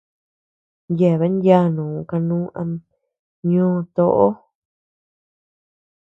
Yeabean yanuu kanu ama ñó toʼo.